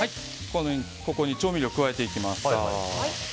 ここに調味料を加えていきます。